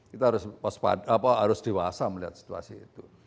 kita harus dewasa melihat situasi itu